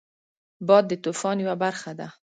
باد د طوفان یو برخه ده